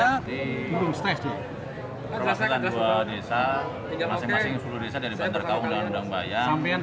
masing masing seluruh desa dari bantar kaung dan undang bayang